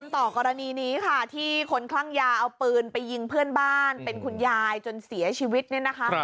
ต่อกรณีนี้ค่ะที่คนคลั่งยาเอาปืนไปยิงเพื่อนบ้านเป็นคุณยายจนเสียชีวิตเนี่ยนะคะ